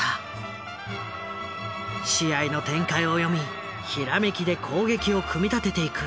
試合の展開を読みひらめきで攻撃を組み立てていく。